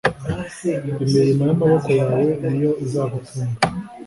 Imirimo yamaboko yawe niyo izagutunga